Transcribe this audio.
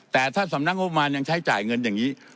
แต่ถ้าสำนักงบมารยังใช้จ่ายเงินอย่างนี้